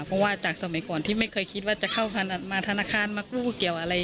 เพราะว่าจากสมัยก่อนที่ไม่เคยคิดว่าจะเข้ามาธนาคารมากู้เกี่ยวอะไร